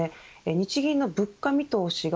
日銀の物価見通しが